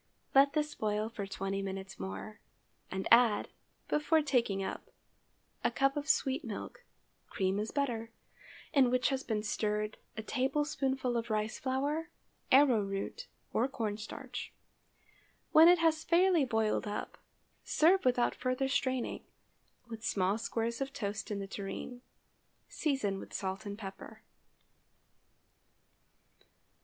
Let this boil for twenty minutes more, and add, before taking up, a cup of sweet milk (cream is better) in which has been stirred a tablespoonful of rice flour, arrow root, or corn starch. When it has fairly boiled up, serve without further straining, with small squares of toast in the tureen. Season with salt and pepper.